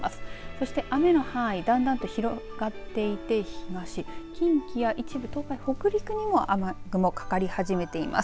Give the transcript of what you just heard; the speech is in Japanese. そして、雨の範囲だんだんと広がっていて近畿や一部、東海、北陸にも雨雲、かかり始めています。